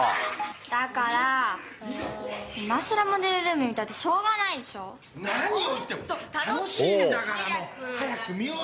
だから今さらモデルルーム見たってしょうがないでしょ。何を言って楽しいんだからもう早く見ようよ。